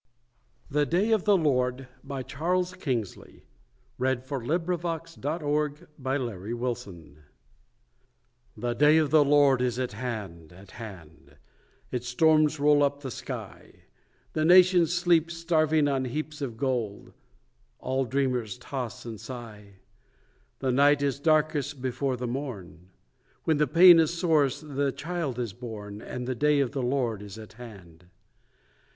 e is set, the doom begun! Who shall stay it? On Torridge, May 1849. THE DAY OF THE LORD The Day of the Lord is at hand, at hand: Its storms roll up the sky: The nations sleep starving on heaps of gold; All dreamers toss and sigh; The night is darkest before the morn; When the pain is sorest the child is born, And the Day of the Lord at hand.